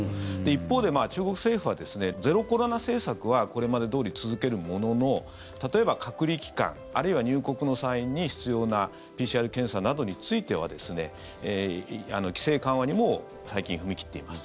一方で中国政府はゼロコロナ政策はこれまでどおり続けるものの例えば、隔離期間あるいは入国の際に必要なＰＣＲ検査などについては規制緩和にも最近踏み切っています。